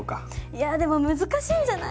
いやでも難しいんじゃない？